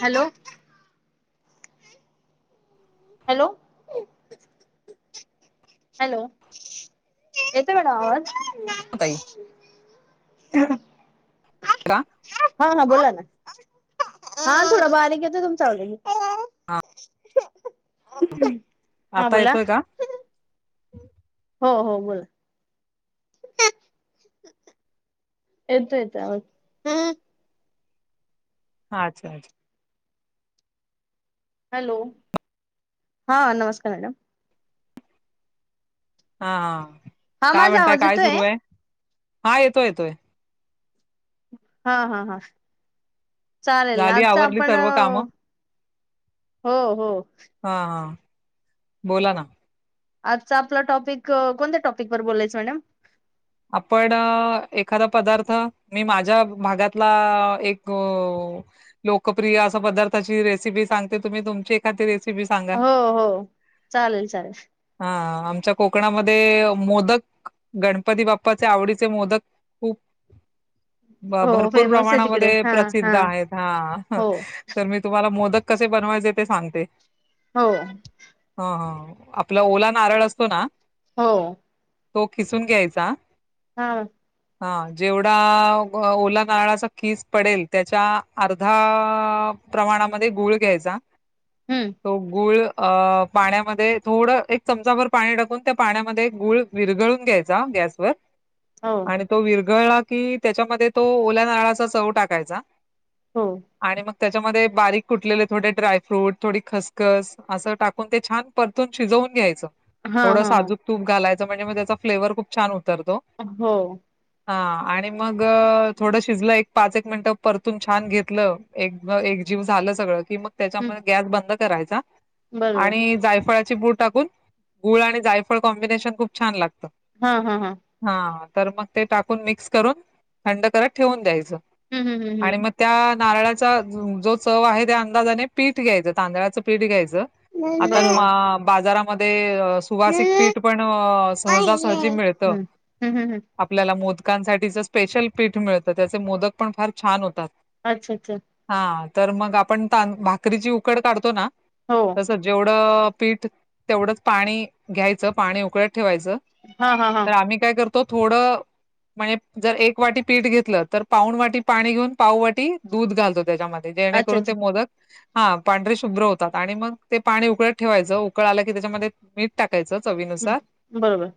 Hello hello hello येत madam आवाज त [unintelligible] हा [unintelligible] हरा [unintelligible] हा हा बोला ना हा थोडा बारीक येतं तुमच्या हा अ का आता येतोय का हो हो बोला येत येत ह अच्छा अचछा हॅलो हां नमस्कार मॅडम हा हा काय माझा म्हणताय आवाज काय येतोय? सुरू आहे हा येतोय येतोय हा हा हा चालेल झाली आजच आवरली आपण सर्व कामं हो हो हा हा बोला ना आजचा आपला टॉपिक कोणत्या टॉपिकवर बोलायचं मॅडम आपण एखादा पदार्थ मी माझ्या भागातला एक लोकप्रिय असं पदार्थची रेसिपी सांगते तुम्ही तुमची का त रेसिपी सांगा हो हो चालेल चालेल हा आमच्या कोकणामध्ये मोदक गणपती बाप् पप्पाचे आवडीचे मोदक खूप ब हो भरपूर फेमस आहे तिकडे प्रमाणामध्ये हा हा प्रसिद्ध आहेत हा हो तर मी तुम्हाला मोदक कसे बनवायचे ते सांगते हो हा हा आपला ओला नारळ असतो ना हो तो खिसून घ्यायचा हा हा जेवढा ओला काळाचा कीस पडेल त्याच्या अर्धा प्रमाणामध्ये गुळ घ्यायचा हम्म तो गुळ अ पाण्यामध्ये थोडं एक चमचाभर पाणी टाकून त्या पाण्यामध्ये गुळ विरगळून घ्यायच जा गॅस वर हो आणि तो विरघळला कि त्याच्यामध्ये तो ओल्या नाळाचा चव टाकायचा हो आणि मग त्याच्यामध्ये बारीक कुटलेले थोडे ड्रायफ्रूट थोडी खसखस असं टाकून ते छान परतून शिजवून घ्यायचं हा थोडं हा हा साजूक तूप घालायचं म्हणजे मग त्याचा फ्लेवर खूप छान उतरतो हो हा आणि मग थोडं शिजलं एक पाच एक मिनिटं परतून छान घेतलं एक एक जीव झालं सगळं की मग हम्म त्याच्यामुळे गॅस बंद करायचा बरोबर आणि जायफळ ची बूड टाकून गुळ आणि जायफळ कॉम्बिनेशन खूप छान लागतं हा हा हा हा तर मग ते टाकून मिक्स करून थंड करत ठेवून द्यायचं हम्म हम्म हम्म आणि मग त्या नारळाचा जो चव आहे त्या अंदाजाने पीठ घ्यायचं तांदळाचं पीठ घ्यायचं हम्म आता बरोबर बाजारामध्ये सुवासिक पीठ पण सहजासहजी मिळतं हम हम हम आपल्याला मोदकांसाठीच स्पेशल पीठ मिळतं त्याचे मोदक पण फार छान होतात अच्छा अच्छा हा तर मग आपण त भाकरीची उकड काढतो ना हो तसं जेवढं पीठ तेवढंच पाणी घ्यायचं पाणी उकळ्यात ठेवायचं हा हा हा तर आम्ही काय करतो थोडं म्हणजे जर एक वाटी पीठ घेतलं तर पाऊन वाटी पाणी घेऊन पाऊ वाटी दूध घालतो त्याच्यामध्ये अच्छा जेणेकरून ते अच्छा मोदक. हा पांढरे शुभ्र होतात आणि मग ते पाणी उकळत ठेवायचं उकळ आलं की त्याच्यामध्ये मीठ टाकायच चवीनुसार हम्म बरोबर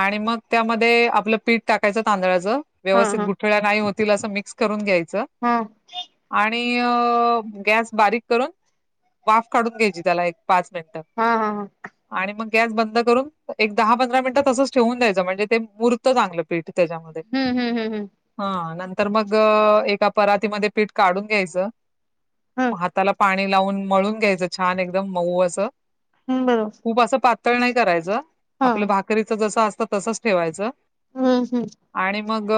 आणि मग त्यामध्ये ध्ये आपलं पीठ टाकायचं तांदळा्याच हा व्यवस्थित हा गुठळ्या नाही होतील असं मिक्स करून घ्यायचं. हम आणि गॅस बारीक करून वाफ काढून घ्यायची त्याला एक पाच मिनिटं हा हा हा आणि मग गॅस बंद करून एक दहा पंधरा मिनिटात तसंच ठेवून द्यायचं म्हणजे ते मूर्त चांगलं पीठ त्याच्यामध्ये हम्म हम्म हम्म हम्म हा नंतर मग एका परातीमध्ये पीठ काढून घ्यायचं. हम्म त्याला पाणी लावून मळून घ्यायचं छान एकदम मऊ असं. हम्म बरोबर खूप असं पातळ नाही करायचं हा आपल्या हम्म भाक री जस असत तसच ठेवायच. हम्म हम्म आणि मग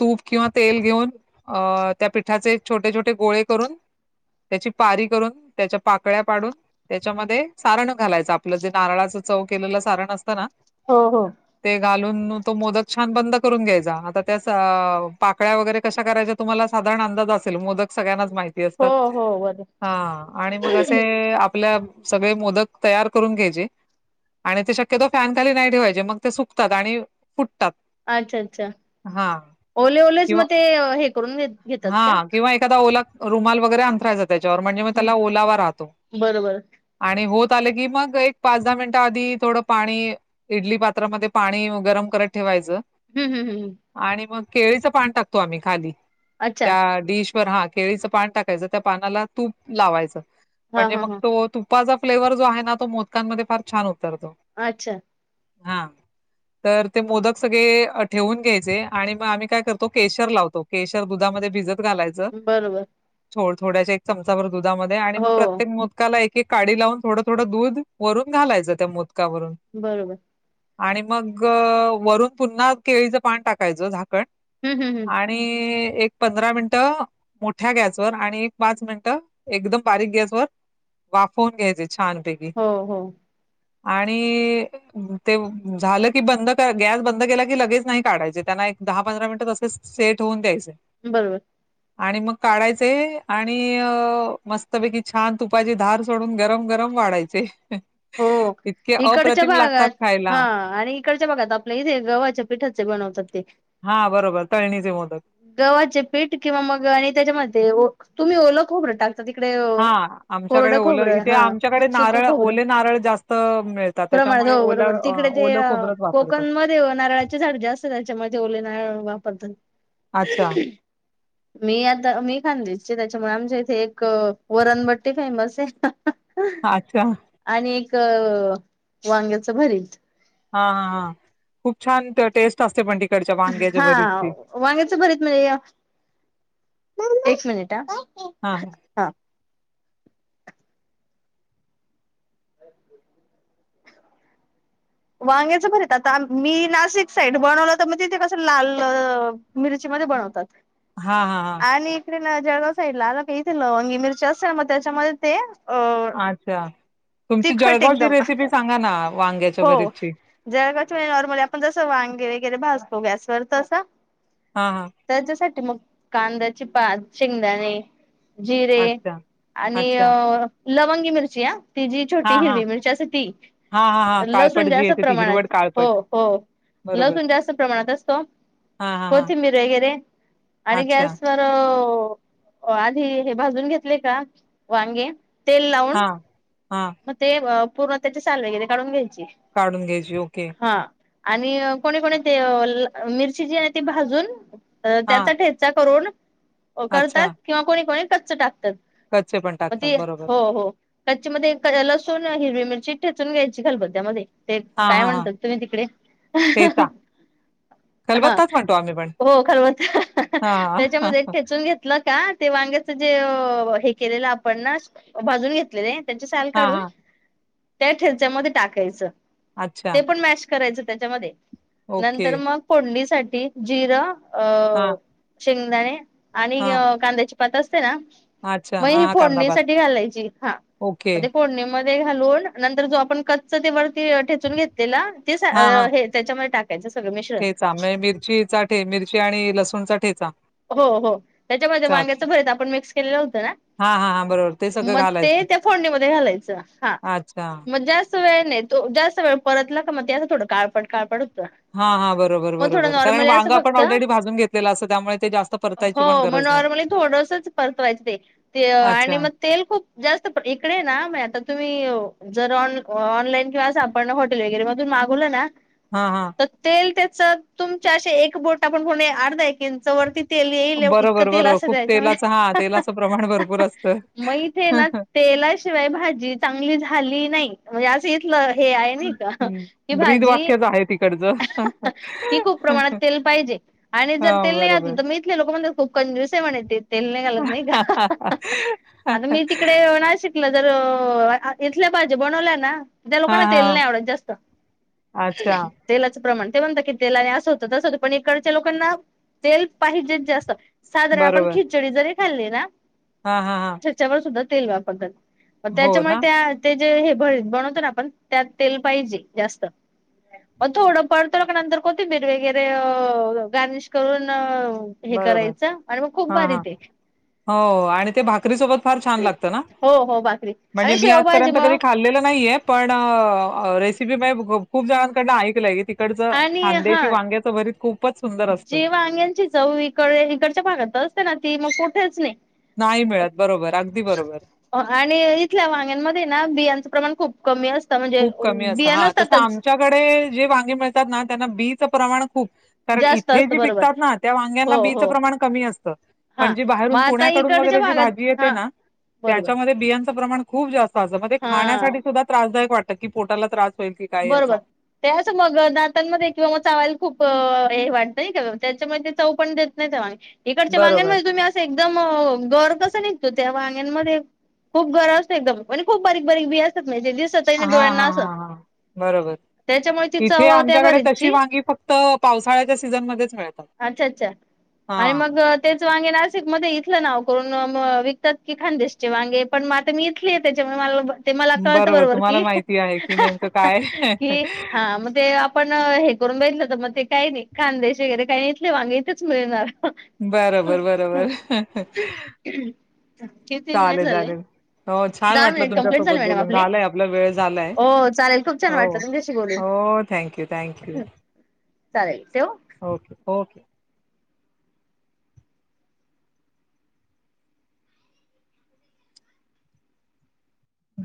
तूप किंवा तेल घेऊन. अ त्या पिठाचे छोटे छोटे गोळे करून. त्याची पारी करून त्याच्या पाकळ्या पाडून. त्याच्यामध्ये सारण घालायचं आपलं जे नारळाचं चव केलेलं सारण असतं ना. हो हो ते घालून तो मोदक छान बंद करून घ्यायचा आता त्या पाकळ्या वगैरे कशा करायच्या. तुम्हाला साधारण अंदाज असेल मो सगळ्यांनाच माहिती हो असतात हो बर हा आणि मग असे आपल्या सगळे मोदक तयार करून घ्यायचे आणि ते शक्यतो फॅन खाली नाही ठेवायचे मग ते सु फतात आणि फुटतात. अच्छा अच्छा हां ओले ओलेच किंवा मग ते हे करून घेत घेतात का हां, किंवा एखादा ओला रुमाल वगैरे अथरायचा त्याच्यावर म्हणजे मी त्याला हम्म ओलावर राहतो. बरोबर आणि होत आले की मग एक पाच दहा मिनिटं आधी थोडं पाणी इडली पात्रामध्ये पाणी गरम करत ठेवायचं. हम् हम हमम आणि मग केळीचं पान टाकतो आम्ही खाली अच्छा त्या डिश वर हा. केळीचं पान टाकायचं त्या पानाला तूप लावायचं हा म्हणजे हा मग हा तो तू तपाचा फ्लेवर्हर जो आहे ना तो मोदकांमध्ये फार छान उतरतो. अच्छा हा तर ते मोदक सगळे ठेवून घ्यायचे आणि मग आम्ही काय करतो केशर लावतो. केशर दुधामध्ये भिजत घालाय उम बर बर थोड थोड्याशा एक चमचा भर दुधामध्ये आणि हो मग प्रत्येक मोद काला एक एक काडी लावून थोडं थोडं दूध वरून घालायचं त्या मोदकावरून बरोबर आणि मग वरून पुन्हा केळीचं पान टाकायचं झाकण. हम् हम हम आणि एक पंधरा मिनट मोठ्या गॅसवर आणि एक पाच मिनिटं एकदम बारीक गॅसवर वाफवून घ्यायचंय छान ते हो हो. आणि अ तेव झालं की बंद का गॅस बंद केला की लगेच नाही काढायचे त्यांना एक दहा पंधरा मिनिटं तसेच सेट होऊन द्यायचे बरोबर. आणि मग काढायचे आणि अ मस्तपैकी छान तूप तुपाची धार सोडून गरम गरम वाढायचे हो इतके इकडच्या अप्रतिम लागतात भागात खायला. हां आणि इकडच्या भागात आपल्या इथे गव्हाच्या पीठाचे बनवतात ते हा बरोबर तळणीचे मोदक गव्हाचे पीठ किंवा मग आणि त्याच्यामध्ये ओ तुम्ही ओलं खोबरं टाक आता तिकडे अ हा आमच्याकडे कोरडं ओल खोबरं इथे हा आमच्याकडे सुकं नारळ खोबरं ओले नारळ जास्त मिळ प्रमाणात हो बरोबर तिकडे ते अ वापरतात. कोकण म नाही ओ नारळाचे झाड जास्त त्याच्यामुळ ते ओले नारळ वापरतात. अच्छा, मी आता मी खाणदेशची त्याच्यामुळे आमच्या इथे एक अ वरणबट्टी फेमसे अच्छा. आणि एक अ वांग्याच भरीत हा हा हा खूप छान ते टेस्ट असते पण तिक हां वांग्याच भरीत म्हणजे अ एक मिनिट आ हा हा वांग्याचं भरित आता मी नाशिक साईड बनवलं तर मग तिथे कसं लाल अ मिरचीमध्ये बनवतात हां, हां, हां. आणि इकडे ना जळगाव साईडला आलं का इथे लवंगी मिरची असते ना मग त्याच्यामध्ये ते अ अच्छा तुमची तिखट जळगावची एकदम रेसिपी सांगा ना वांग्याची हो जळचगावची म्हणजे नॉर्मली आपण जसं वांगे वगैरे भाजतो गॅसवर तस हा हा त्याच्यासाठी मग कांद्याची पात शेंगदाणे जिरे अच्छा, आणि अच्छा. अ लवंगी मिरची आ ती जी हा छोटी हा हिरवी मिरची असते ती हा हा हा लसूण काळपट जी जास्त येते ती प्रमाणात हिरवट हो काळपट हो बरोबर लसूण जास्त प्रमाणात असतो हा हा हा कोथिंबीर वगैरे आणि अच्छा गॅसवर चव आधी हे भाजून घेतले का वांगे तेल लावून हा हा मग ते पूर्ण त्याचे साल वगैरे काढून घ्यायचे काढून घ्यायचे ओके. हा आणि कोणी कोणी ते अ मिरची जी आहे ती भाजून हा त्याचा ठेचा चा करून करतात अच्छा किंवा कोणी कोणी कच्च टाकतात. कच्चे पण म टाकतात ती बरोबर हो हो कच्ची मध्ये क लसूण हिरवी मिरची ठेचून घ्यायची खलबत्यामध्ये ते हा काय हा हा म्हणतात तुम्ही तिकडे ठेचा हा खलबत्ताच म्हणतो आम्ही पण हो खलबत्ता हां त्याच्यामध्ये हां ठेचून घेत तल का ते वांग्याच जे अ हे केलेलं आपण ना भाजून घेतलेले त्याचे साल काढून हां त्या ठेच्यामध्ये टाकायचं अच्छा ते पण मॅश करायच त्याच्यामध्ये ओके नंतर मग फोडणीसाठी जिरं अ हां शेंगदाणे आणि हां अ कांद्याची पात असते ना अच्छा मग हां ह हां कांदा भात फोडणीसाठी घालायची हा ओके मग ते फोडणी मध्ये घालून नंतर जो आपण कच्च ते वरती ठेचून घेतलेल ते सा हां अ हे त्याच्यामध्ये टाक त्यांच सगळं मिश्रण म मिरचीचा ठे मिरची आणि लसूण ठेचा हो हो त्याच्यामध्ये त्यात वांग्याचं भरत आपण मिक्स केलेलं होतं ना हां हां हां बरोबर ते सगळं मग ते घालायचं त्या फोडणीमध्ये घालायचं हा अच्छा मग जास्त वेळ नाही तो जास्त वेळ परतला का मग त्यां थोडं काळपट काळपट होतं हा हा बरोबर मग थोडं बरोबर कारण नॉर्मली असं वांगा आपण फक्त ऑलरेडी भाजून घेतलेला असत त्यामुळे ते जास्त परतायची पण हो मग गरज नाही. नॉर्मली थोडंसच परतवायचं ते ते अच्छा. आणि मग तेल खूप जास्त इकडे ना म आता तुम्ही [unintelligible] जर ऑन ऑनलाईन किंवापण हॉटेल वगैरे मधून मागवलं ना [unintelligible] हा हा तेल त्याच तुमच्याे एक बोट आपण होणे अर्धा एकंच वरती [unintelligible] तेल येल इतक बरोबर, तेल बरोबर. अस खूप त्याच्या तेलाचं हां, तेलाचं प्रमाण भरपूर असतं. मथ ना तेला शिवाय भाजी चांगली झाली नाही म्हणजे असं इथलं हे आहे ना का हं. की भाजी ब्रीदवाक्यच आहे तिकडचं. ही खूप प्रमाणात तेल पाहिजे आणि जर हां, तेल नाही घातलं बरोबर. तर मी इथले लोक म्हण खूप कंजुस म्हण तेल नाही घालत नाही का [unintelligible] आता मी तिकडे ना शिकल तर इथल्या भाजी बनवल्या ना [unintelligible] त्या हां, लोकांना तेल हां. नाही आवडत जास्त अच्छा. तेलाचं प्रमाण ते म्हणं की तेलाने असं होतं तसंतं पण इकडच्या लोकांना [unintelligible] तेल पाहिजे जास्त साधारण आपण खिचडी जरी खाल्ली ना [unintelligible] हा हा हा त्याच्यावर सुा तेल वापरतात त्याच्यामुळे ना? त्या ते जे हे भ बनवतो ना आपण त्यात तेल पाहिजे जास्त [unintelligible] मग थोडं पडतो का नंतर कोती ब र वगैरे गार्निश करून हे बरोबर. करायचं आणि मग खूप हां, बारी हां. तेे हो आणि ते भाकरी सोबत फार छान लागतं ना हो हो भाकरी म्हणजे आणि मी शेवभाजी आजपर्यंत कधी मग खाल्लेलं नाहीये [unintelligible] पण रेसिपी म खूप जणांकडनं ऐकलंय की तिकडच खांद्याशी वांग [unintelligible] री खू जेव अग्यांची जाऊ इकड इकडच्या भागात असते ना ती मग कुठेच नाही नाही मिळत बरोबर अगदी बरोबर आणि इथल्या वांग्यांमध्ये ना बियांचं प्रमाण खूप कमी असतं म्हणजे बिया नसतातच डे जे वांगी मिळतात ना त्यांना बीचं प्रमाण खूप [unintelligible] कारण जास्त इथे असतं जी बरोबर पिकतात ना त्या वांग्यांना हो बीचं हो प्रमाण कमी असतं हा पण जी मग बाहेरून आता पुण्याकडून इकडच्या वगैरे जी भागात भाजी हा त्या बरोबर बिच प्रमाण खप जात असत हा खाण्या सुा [unintelligible] त्रासदायक वाटत की पोटाला त्रास होईल की काय याचा बरोबर त्याच मग दतांमध्ये किंवा मग चवायला खूप हे वाटतं नाही का त्याच्यामुळे ते चव पण देत नाही त्या माग इकडच्या बरोबर वांग्यांमध्ये तुम्ही असं एकदम घर कसं निघतो त्या वांग्यांमध्ये [unintelligible] खूप गरं असते एकदम पण खूप बारीक बारीक बी असतात म्हे दिवसात हा हा हा हा त्याच्यामुळे ती बरोबर इथे चव त्या आमच्याकडे तशी बरीचची वांगी फक्त पावसाळ्याच्या सीझनमध्येध्येच मिळतात अच्छा अच्छा आणि हा. मग तेच वांगे नाशिक मध्ये इथलं नाव करून विकतात की खानदेशचे वांगे पण म [unintelligible] मी इथली आहे त्याच्यामुळे मला ते मला कळत बरोबर तुम्हाला की माहिती आहे की नेमकं [unintelligible] काय कि हा मणज पण हे करून बेटलं तर मग ते काही नाही खांदेश वगैरे काहीथले माांगे इथेच मिळणार [unintelligible] बरोबर बरोबर कीर्ती मन चालेल नडललले चालेल हो छान दहा वाटलं मिनिट कंप्लीट झाले तुमच्यासोबत मॅडम बोलून आपले. झालंय आपला वेळ झालाय हो, चालेल. फक् छान हो वाटलं तुमच्याशी बोलून हो थँक्यू थँक्यू चालेल ठेवू? [unintelligible] Okay okay